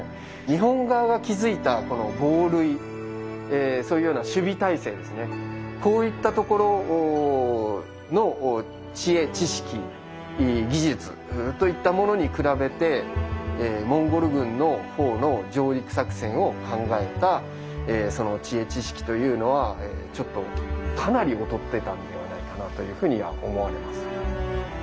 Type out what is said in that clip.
日本側が築いたこの防塁そういうような守備体制ですねこういったところの知恵知識技術といったものに比べてモンゴル軍の方の上陸作戦を考えた知恵知識というのはちょっとかなり劣ってたんではないかなあというふうには思われます。